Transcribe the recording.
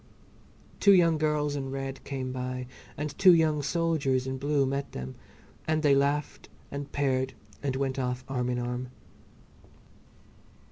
Two young girls in red came by and two young soldiers in blue met them, and they laughed and paired and went off arm in arm.